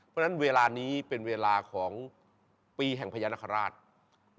เพราะฉะนั้นเวลานี้เป็นเวลาของปีแห่งพญานาคาราช